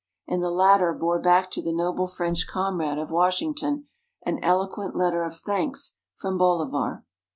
And the latter bore back to the noble French comrade of Washington, an eloquent letter of thanks from Bolivar.